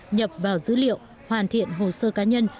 nhập vào dữ liệu hoàn thiện hồ sơ cá nhân